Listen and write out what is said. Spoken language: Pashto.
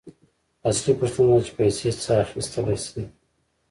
اصلي پوښتنه داده چې پیسې څه اخیستلی شي